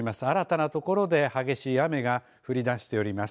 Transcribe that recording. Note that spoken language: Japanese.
新たなところで激しい雨が降りだしております。